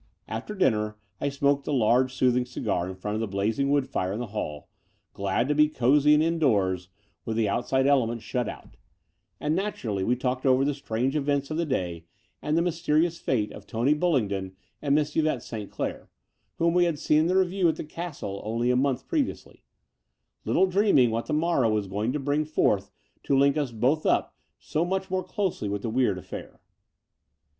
After dinner I smoked a large, soothing cigar in front of the blazing wood fire in the hall, glad to be cosy and indoors with the outside elements The Brighton Road 55 shut out ; and naturally we talked over the strange events of the day and the mysterious fate of Tony Bullingdon and Miss Yvette St. Clair, whom we had seen in the revue at the Castle*' only a month previously, little dreaming what the morrow was going to bring forth to link us both up so much more closely with the weird aflEair.